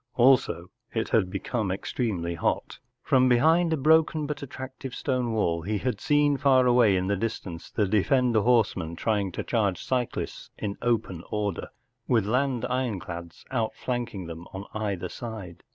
Also, it had become extremely hot. From behind a broken, but attractive, stone wall he had seen far away in the distance the defender horsemen trying to charge cyclists in open order, with land ironclads outflanking them on either side.